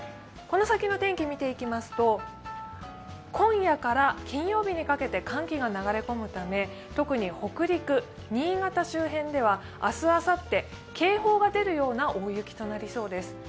この先の天気、見ていきますと、今夜から金曜日にかけて寒気が流れ込むため、特に北陸、新潟周辺では明日あさって、警報が出るような大雪となりそうです。